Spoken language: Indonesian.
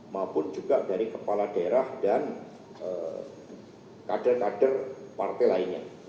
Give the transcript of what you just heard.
maupun juga dari kepala daerah dan kader kader partai lainnya